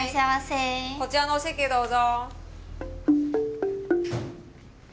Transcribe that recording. こちらのお席へどうぞ。